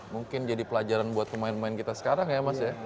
mungkin jadi pelajaran buat pemain pemain kita sekarang ya mas ya